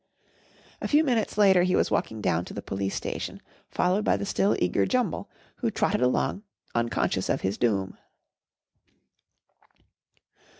A few minutes later he was walking down to the Police Station followed by the still eager Jumble, who trotted along, unconscious of his doom.